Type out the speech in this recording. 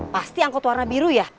pasti angkut warna biru ya